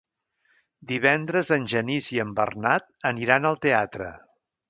Divendres en Genís i en Bernat aniran al teatre.